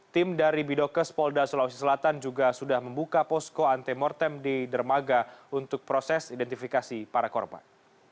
tim dari bidokes polda sulawesi selatan juga sudah membuka posko antemortem di dermaga untuk proses identifikasi para korban